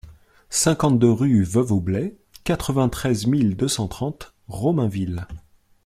cinquante-deux rue Veuve Aublet, quatre-vingt-treize mille deux cent trente Romainville